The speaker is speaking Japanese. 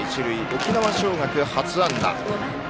沖縄尚学、初安打。